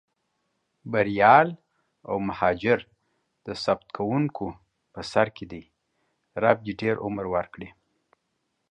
بریال او مهاجر د ثبتوونکو په سر کې دي، رب دې ډېر عمر ورکړي.